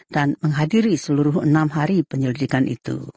dan menghadiri seluruh enam hari penyelidikan itu